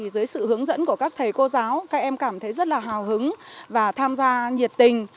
dưới sự hướng dẫn của các thầy cô giáo các em cảm thấy rất là hào hứng và tham gia nhiệt tình